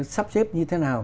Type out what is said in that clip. sắp xếp như thế nào